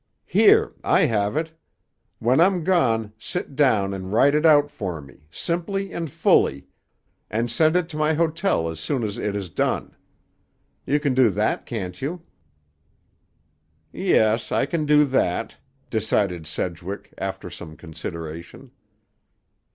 Here! I have it. When I'm gone, sit down and write it out for me, simply and fully, and send it to my hotel as soon as it is done. You can do that, can't you?" "Yes, I can do that," decided Sedgwick, after some consideration.